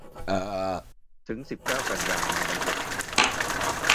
ถึงสิบเก้า กันยา มาบรรจบ